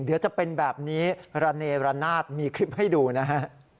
เดี๋ยวจะเป็นแบบนี้ระเนรนาศมีคลิปให้ดูนะฮะ